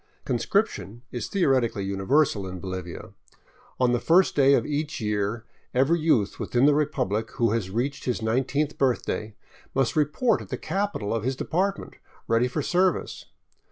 Conscription is theoretically universal in Bolivia. On the first day of each year every youth within the repubfic who has reached his nine teenth birthday must report at the capital of his department, ready for service.